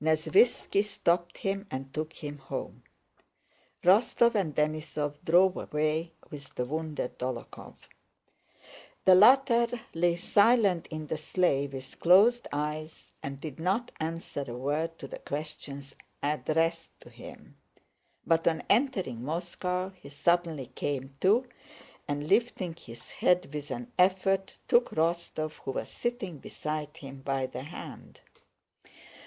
Nesvítski stopped him and took him home. Rostóv and Denísov drove away with the wounded Dólokhov. The latter lay silent in the sleigh with closed eyes and did not answer a word to the questions addressed to him. But on entering Moscow he suddenly came to and, lifting his head with an effort, took Rostóv, who was sitting beside him, by the hand.